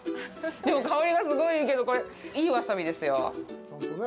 でも、香りがすごいいいけど、いいワサビですよ。